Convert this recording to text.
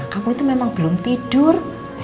kamu itu memang belum tidur